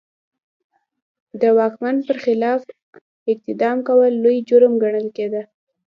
د واکمن پر خلاف اقدام کول لوی جرم ګڼل کېده.